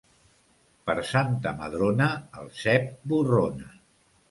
Per Santa Madrona el cep borrona.